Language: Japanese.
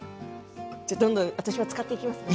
どんどん私も使っていきますね。